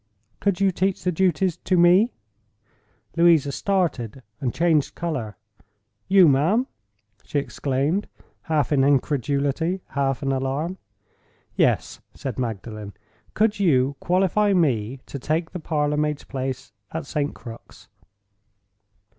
"Could you teach the duties to Me?" Louisa started, and changed color. "You, ma'am!" she exclaimed, half in incredulity, half in alarm. "Yes," said Magdalen. "Could you qualify me to take the parlor maid's place at St. Crux?"